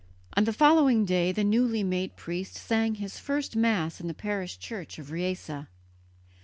On the following day the newly made priest sang his first Mass in the parish church of Riese.